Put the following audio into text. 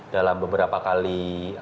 dalam beberapa kali